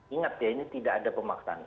ingat ya ini tidak ada pemaksaan